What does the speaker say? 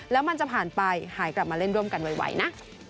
แล้วมันจะผ่านไปหายกลับมาเล่นร่วมกันไวนะ